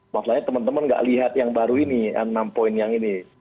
maksudnya teman teman nggak lihat yang baru ini enam poin yang ini